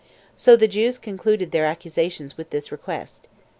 So the Jews concluded their accusation with this request.